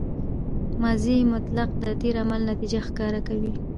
ماضي مطلق د تېر عمل نتیجه ښکاره کوي.